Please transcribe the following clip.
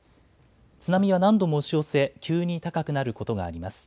津波は何度も押し寄せ急に高くなることがあります。